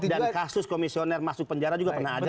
dan kasus komisioner masuk penjara juga pernah ada